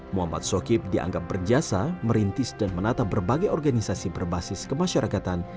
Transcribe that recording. muhammad sokib dianggap berjasa merintis dan menata berbagai organisasi berbasis kemasyarakatan